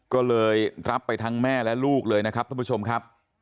ก็เลยรับไปทั้งแม่และลูกเลยนะครับท่านผู้ชมครับ